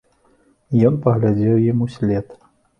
Ён паглядзеў ім услед.